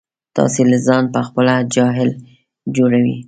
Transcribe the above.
تاسې له ځانه په خپله جاهل جوړوئ.